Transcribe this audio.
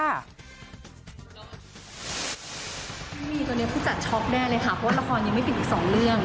ที่มีตอนนี้ผู้จัดช็อกแน่เลยค่ะเพราะว่าละครยังไม่ปิดอีก๒เรื่อง